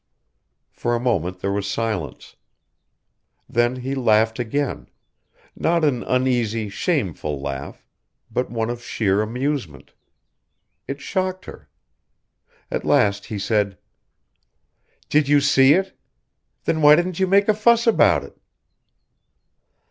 For a moment there was silence. Then he laughed again not an uneasy, shameful laugh, but one of sheer amusement. It shocked her. At last he said: "Did you see it? Then why didn't you make a fuss about it?"